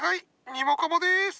ニモカモです！